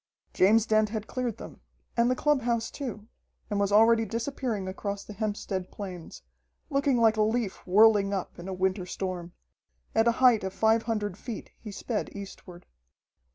James Dent had cleared them, and the clubhouse too, and was already disappearing across the Hempstead Plains, looking like a leaf whirling up in a winter storm. At a height of five hundred feet he sped eastward.